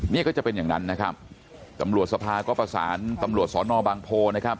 นี่ก็จะเป็นอย่างนั้นนะครับตำรวจสภาก็ประสานตำรวจสอนอบางโพนะครับ